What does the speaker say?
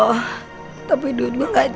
tapi duit gue gak cukup buat biaya rumah sakit